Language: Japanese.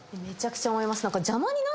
めちゃくちゃ思います。